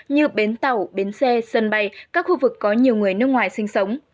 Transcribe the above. như bến tàu bến xe sân bay các khu vực có nhiều người nước ngoài sinh sống